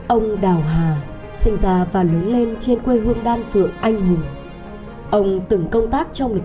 ông đào hà sinh ra và lớn lên trên quê hương đan phượng anh hùng ông từng công tác trong lịch